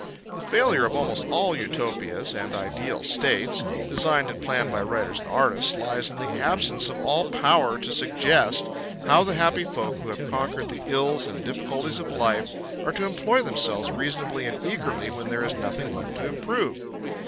The failure of almost all Utopias and ideal states, designed and planned by writers and artists, lies in the absence of all power to suggest how the happy folk who have conquered all the ills and difficulties of life are to employ themselves reasonably and eagerly when there is nothing left to improve.